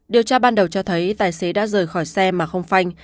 điều tra ban đầu cho thấy tài xế đã rời khỏi xe mà không phanh